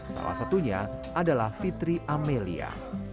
salah satunya adalah fitri amelia